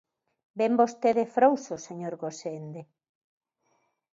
Vén vostede frouxo, señor Gosende.